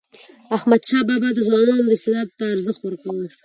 احمدشاه بابا د ځوانانو استعداد ته ارزښت ورکاوه.